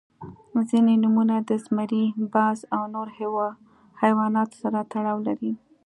• ځینې نومونه د زمری، باز او نور حیواناتو سره تړاو لري.